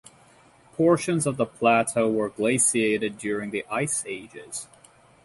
Portions of the plateau were glaciated during the ice ages.